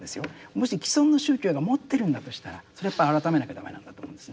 もし既存の宗教が持ってるんだとしたらそれはやっぱ改めなきゃ駄目なんだと思うんですね。